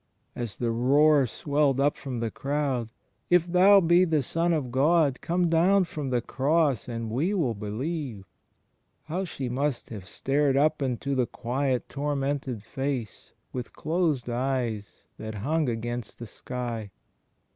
As the roar swelled up from the crowd, "If Thou be the Son of God, come down from the Cross and we will believe," how she must have stared up into the quiet tormented Face with closed eyes that hung against the sky.